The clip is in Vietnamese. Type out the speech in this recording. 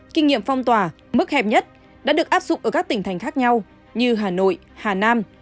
kinh nghiệm phong tỏa mức hẹp nhất đã được áp dụng ở các tỉnh thành khác nhau như hà nội hà nam